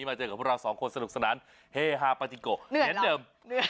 มาเจอกับพวกเรา๒คนสนุกสนานเฮ่ฮาปาจินโกแน็ตเดิม